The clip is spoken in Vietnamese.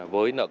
với nợ công